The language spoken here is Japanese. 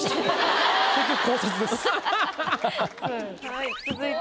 はい。